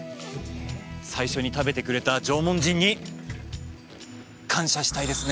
最初に食べてくれた縄文人に感謝したいですね！